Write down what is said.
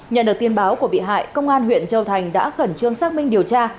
nhận được tin báo của bị hại công an huyện châu thành đã khẩn trương xác minh điều tra